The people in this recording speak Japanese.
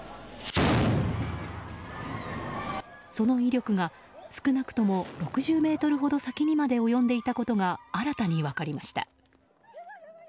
その威力が少なくとも６０ｍほど先にまで及んでいたことが新たに分かりました。